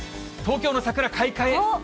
東京の桜、開花へ。